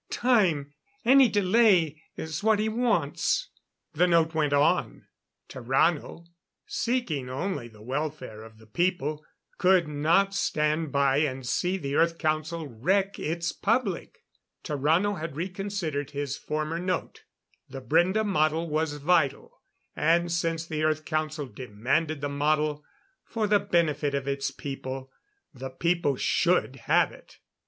Time any delay is what he wants." The note went on. Tarrano seeking only the welfare of the people could not stand by and see the Earth Council wreck its public. Tarrano had reconsidered his former note. The Brende model was vital, and since the Earth Council demanded the model (for the benefit of its people) the people should have it.